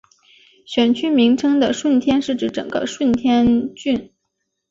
选区名称的顺天是指整个顺天邨。